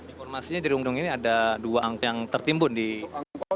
informasinya di riung gunung ini ada dua angkot yang tertimbun di salongkot